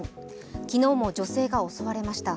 昨日も女性が襲われました。